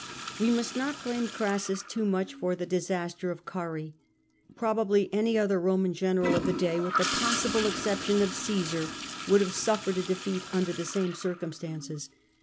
We must not blame Crassus too much for the disaster of Oarrhae, Probably any other Roman general of the day, with the possible exception of Csesar, would have suffered a defeat under the same circumstances.